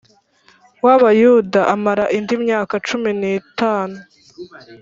w Abayuda amara indi myaka cumi n itanu